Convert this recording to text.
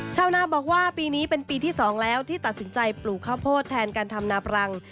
ชาวนาบอกว่าปีนี้เป็นปีที่๒แล้วที่ตัดสินใจปลูกข้าวโพดแทนการทำนาปรัง